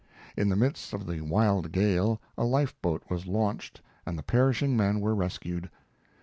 In the midst of the wild gale a lifeboat was launched and the perishing men were rescued.